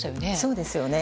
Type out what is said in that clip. そうですよね。